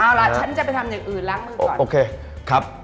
เอาล่ะฉันจะไปทำอย่างอื่นล้างมือก่อนโอเคครับ